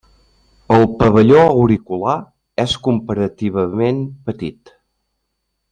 El pavelló auricular és comparativament petit.